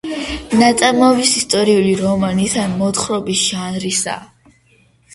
ნაწარმოების ისტორიული რომანის ან მოთხრობის ჟანრისაა.